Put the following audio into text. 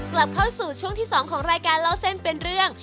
กลับเข้าสู่ช่วงที่๒ของรายการเล่าเส้นเป็นเรื่อง